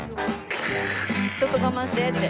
ちょっと我慢してって。